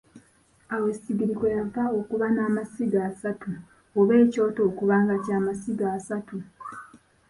Awo essigiri kwe yava okuba namasiga asatu oba ekyoto okuba nga kyamasiga asatu.